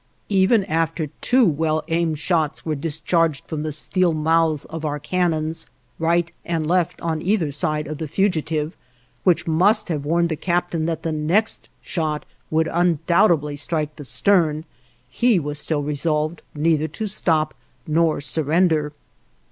Even after two well aimed shots were discharged from the steel mouths of our cannons, right and left on either side of the fugitive, which must have warned the captain that the next shot would undoubtedly strike the stern, he was still resolved neither to stop nor surrender.